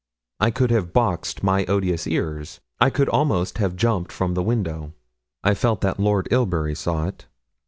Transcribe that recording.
I could have boxed my odious ears. I could almost have jumped from the window. I felt that Lord Ilbury saw it.